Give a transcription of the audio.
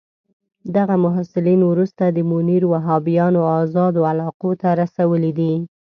دغه محصلین وروسته د بونیر وهابیانو آزادو علاقو ته رسولي دي.